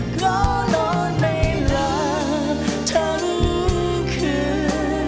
ก็นอนในหลักทั้งคืน